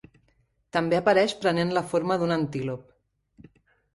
També apareix prenent la forma d'un antílop.